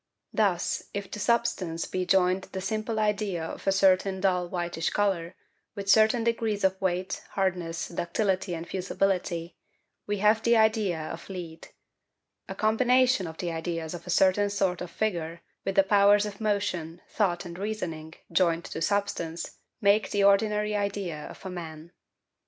Thus if to substance be joined the simple idea of a certain dull whitish colour, with certain degrees of weight, hardness, ductility, and fusibility, we have the idea of lead; and a combination of the ideas of a certain sort of figure, with the powers of motion, thought and reasoning, joined to substance, make the ordinary idea of a man.